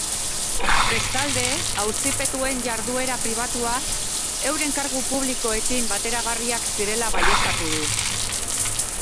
Bestalde, auzipetuen jarduera pribatuak euren kargu publikoekin bateragarriak zirela baieztatu du.